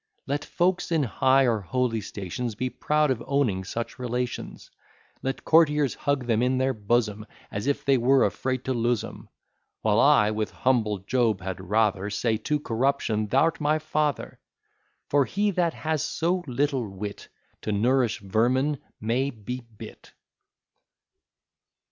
Let folks in high or holy stations Be proud of owning such relations; Let courtiers hug them in their bosom, As if they were afraid to lose 'em: While I, with humble Job, had rather Say to corruption "Thou'rt my father." For he that has so little wit To nourish vermin, may be bit.